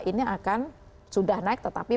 ini akan sudah naik tetapi